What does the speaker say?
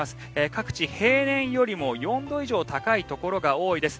各地、平年よりも４度以上高いところが多いです。